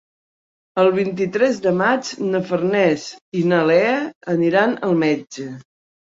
El vint-i-tres de maig na Farners i na Lea aniran al metge.